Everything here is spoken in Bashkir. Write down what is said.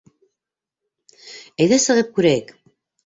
Әйҙә сығып күрәйек.